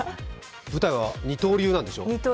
舞台は二刀流なんでしょ。